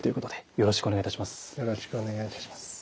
よろしくお願いします。